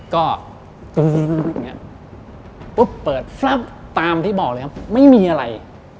ก็ปุ๊บเปิดตามที่บอกเลยครับไม่มีอะไร